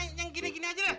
ini yang gini gini aja deh